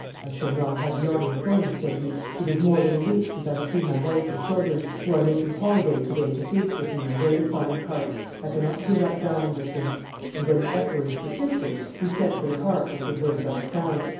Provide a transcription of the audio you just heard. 'I shall not have the honor of going,' said he; 'it is more than a week since I have seen my wife and children who are making holiday to day to feast with me on a very fine carp; I cannot give up dining with them.' And, when the equerry persisted, he sent for the carp, which was worth about a crown.